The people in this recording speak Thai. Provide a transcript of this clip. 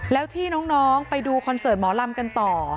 แล้วที่น้องไปดูคอนเสิร์ตหมอลำกันต่อ